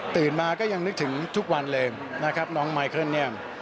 มาก็ยังนึกถึงทุกวันเลยนะครับน้องไมเคิลเนียม